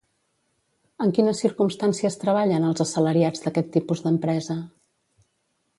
En quines circumstàncies treballen els assalariats d'aquest tipus d'empresa?